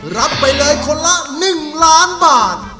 รับไปเลยคนละ๑ล้านบาท